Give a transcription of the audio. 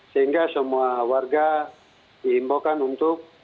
sehingga semua warga diimbaukan untuk